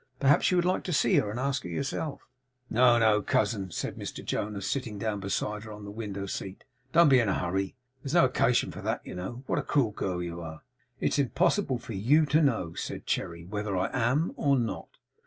Perhaps you would like to see her, and ask her yourself?' 'No, no cousin!' said Mr Jonas, sitting down beside her on the window seat. 'Don't be in a hurry. There's no occasion for that, you know. What a cruel girl you are!' 'It's impossible for YOU to know,' said Cherry, 'whether I am or not.